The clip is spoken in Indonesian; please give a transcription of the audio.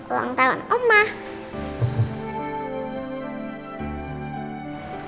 ulang tahun omah